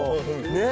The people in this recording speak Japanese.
ねえ。